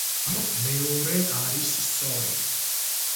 ამიტომ მეორე არის სწორი.